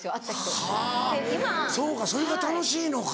はぁそうかそれが楽しいのか。